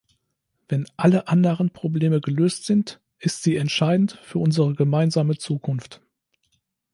Wenn alle anderen Probleme gelöst sind, ist sie entscheidend für unsere gemeinsame Zukunft.